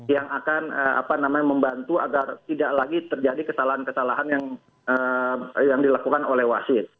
yang akan membantu agar tidak lagi terjadi kesalahan kesalahan yang dilakukan oleh wasit